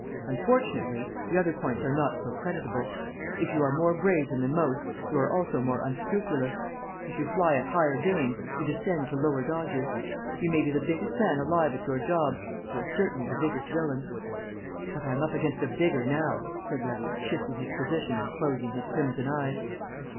Unfortunately, the other points are not so creditable. If you are more brazen than most you are also more unscrupulous; if you fly at higher game, you descend to lower dodges. You may be the biggest man alive at your job; you are certainly the biggest villain." "But I'm up against a bigger now," said Levy, shifting his position and closing his crimson eyes.